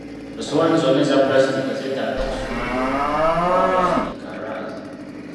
Essowaani zonna eza ppulasitiika zetaaga kusuulibwa kuba ppulasitika alwaza.